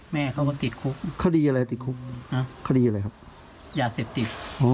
แม่เขามาติดคุกคดีอะไรติดคุกคดีอะไรครับยาเสพติด